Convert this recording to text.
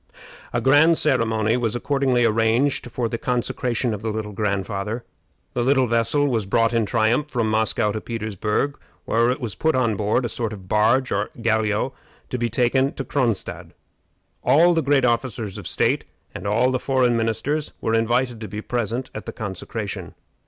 A grand ceremony was accordingly arranged for the "consecration of the Little Grandfather." The little vessel was brought in triumph from Moscow to Petersburg, where it was put on board a sort of barge or galliot to be taken to Cronstadt. All the great officers of state and all the foreign ministers were invited to be present at the consecration.